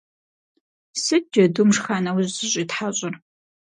Сыт джэдум шха нэужь зыщӀитхьэщӀыр?